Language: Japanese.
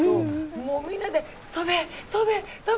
もうみんなで「飛べ！飛べ！飛べ！